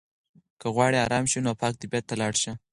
که غواړې ارام شې نو پاک طبیعت ته لاړ شه.